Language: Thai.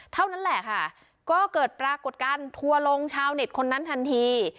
เท่านั้นแหละค่ะก็เกิดปรากฏการณ์ทัวร์ลงชาวเน็ตคนนั้นทันที